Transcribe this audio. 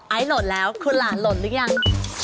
ไอล์โหลดแล้วคุณหลานโหลดหรือยัง